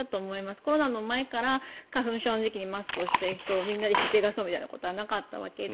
コロナの前から花粉症の時期にマスクをしてる人を引っぺがそうとするってことはなかったわけで。